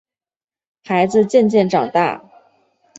孩子渐渐长大